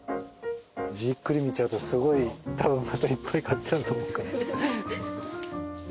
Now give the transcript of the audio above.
じっくり見ちゃうとたぶんまたいっぱい買っちゃうと思うから。